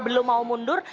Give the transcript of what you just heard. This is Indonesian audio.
belum mau mundur